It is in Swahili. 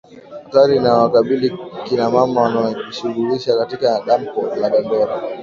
Hatari inayowakabili kina mama wanaojishughulisha katika dampo la Dandora